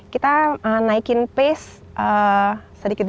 kita naikin pace sedikit demi sedikit gitu